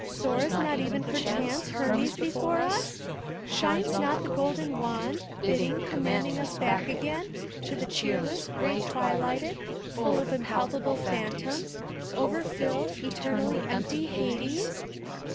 Soars not even, perchance, Hermes before us ? Shines not the golden wand, Bidding, commanding us back again To the cheerless, gray twilighted, Full of impalpable phantoms. Over filled, eternally empty Hades?